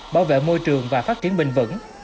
bảo vệ môi trường và phát triển bình vẩn